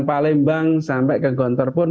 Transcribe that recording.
palembang sampai ke gontor pun